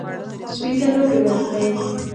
سپي ته لوبې ورکړئ.